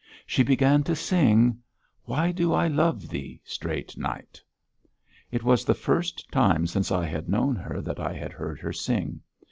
She began to sing: "Why do I love thee, straight night?" It was the first time since I had known her that I had heard her sing.